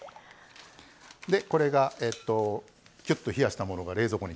これがきゅっと冷やしたものが冷蔵庫に冷えてますので。